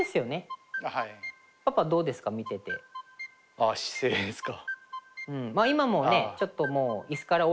ああ姿勢ですか。